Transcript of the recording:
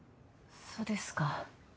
そうですか。